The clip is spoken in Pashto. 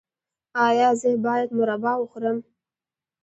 ایا زه باید مربا وخورم؟